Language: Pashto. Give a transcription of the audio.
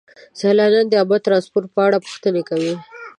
سیلانیان د عامه ترانسپورت په اړه پوښتنې کوي.